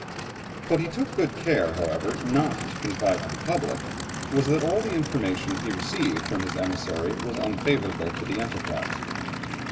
What he took good care, however, not to confide to the public, was that all the information he received from his emissary was unfavourable to the enterprise.